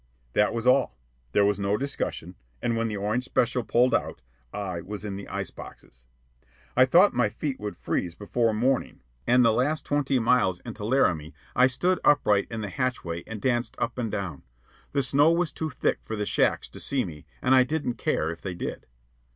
That was all. There was no discussion. And when that orange special pulled out, I was in the ice boxes. I thought my feet would freeze before morning, and the last twenty miles into Laramie I stood upright in the hatchway and danced up and down. The snow was too thick for the shacks to see me, and I didn't care if they did.